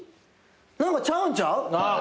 何かちゃうんちゃう？